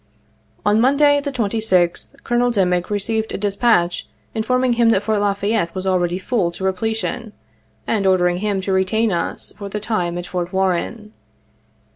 On Monday, the 26th, Colonel Dimick received a dis patch informing him that Fort La Fayette was already full to repletion, and ordering him to retain us for the time at Fort Warren.